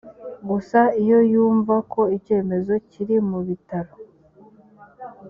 gusa iyo yumva ko icyo cyemezo kiri mu bitaro